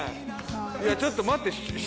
ちょっと待って。